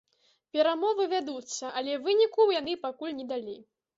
Перамовы вядуцца, але выніку яны пакуль не далі.